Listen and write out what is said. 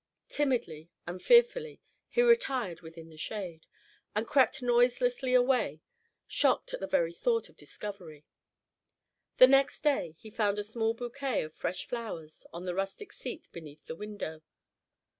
Timidly and fearfully he retired within the shade, and crept noiselessly away, shocked at the very thought of discovery. The next day he found a small bouquet of fresh flowers on the rustic seat beneath the window.